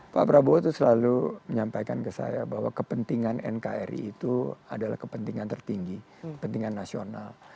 pak prabowo itu selalu menyampaikan ke saya bahwa kepentingan nkri itu adalah kepentingan tertinggi kepentingan nasional